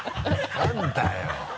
何だよ。